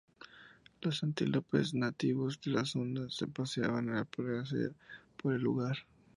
Los antílopes nativos de la zona se paseaban a placer por el lugar.